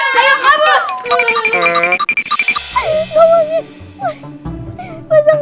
menang menang menang